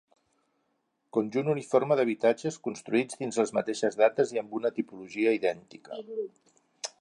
Conjunt uniforme d'habitatges construïts dins les mateixes dates i amb una tipologia idèntica.